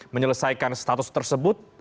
menyelesaikan status tersebut